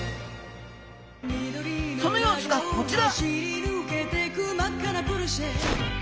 その様子がこちら！